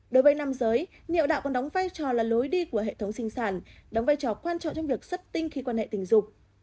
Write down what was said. đối với nam giới nhiễu đạo còn đóng vai trò là lối đi của hệ thống sinh sản đóng vai trò quan trọng trong việc xuất tinh khi quan hệ tình dục